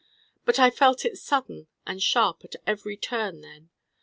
But I felt it sudden and sharp at every turn then.